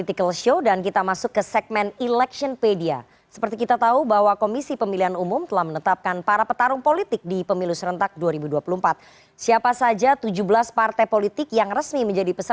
tim liputan cnn indonesia